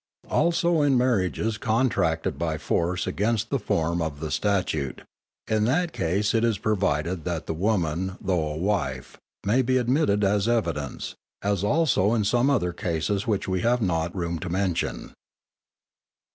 Also in marriages contracted by force against the form of the Statute; in that case it is provided that the woman, though a wife, may be admitted as evidence, as also in some other cases which we have not room to mention.